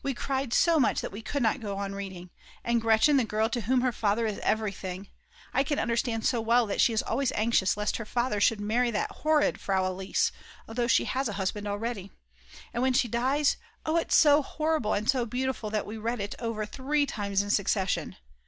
We cried so much that we could not go on reading. And Gretchen, the girl, to whom her father is everything; I can understand so well that she is always anxious lest her father should marry that horrid Frau Elise, although she has a husband already. And when she dies, oh, it's so horrible and so beautiful that we read it over three times in succession.